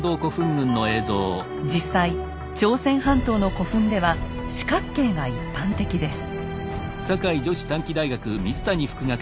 実際朝鮮半島の古墳では四角形が一般的です。